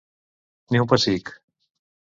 Ni un pessic.